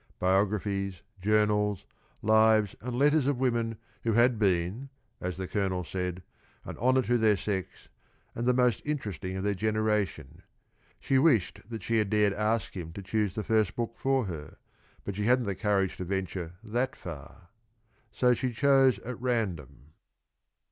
Biographies, journals, lives, and letters of women who had been, as the Colonel said, an honor to their sex and the most interesting of their generation. She wished that she dared ask him to choose the first book for her, but she hadn't the courage to venture that far. So she chose at random.